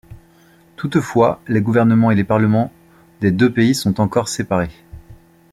Toutefois, les gouvernements et les parlements des deux pays sont encore séparés.